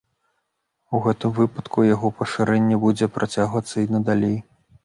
У гэтым выпадку яго пашырэнне будзе працягвацца і надалей.